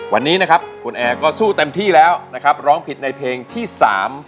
วันนี้นะครับคุณแอร์ก็สู้เต็มที่แล้วนะครับร้องผิดในเพลงที่สาม